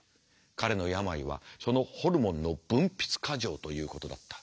彼の病はそのホルモンの分泌過剰ということだった。